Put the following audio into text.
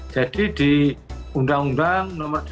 jadi di undang undang nomor delapan tahun dua ribu sembilan belas